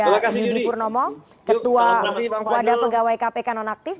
ada yudi purnomo ketua kepada pegawai kpk nonaktif